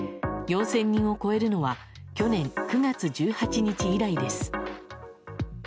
４０００人を超えるのは去年９月１８日以来です。